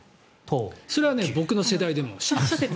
それは僕の世代でも知ってる。